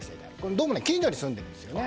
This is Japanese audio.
どうも近所に住んでいるんですね。